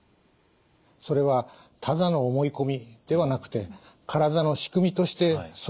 それはただの思い込みではなくて体の仕組みとしてそうなっていきます。